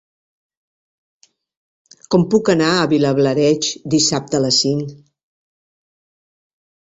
Com puc anar a Vilablareix dissabte a les cinc?